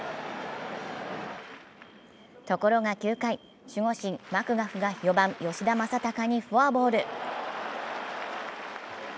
ところが９回、守護神・マクガフが４番・吉田正尚にフォアボール。